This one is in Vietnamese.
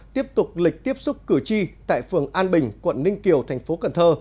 tiếp tục lịch tiếp xúc cử tri tại phường an bình quận ninh kiều thành phố cần thơ